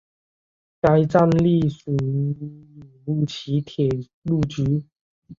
该站隶属乌鲁木齐铁路局。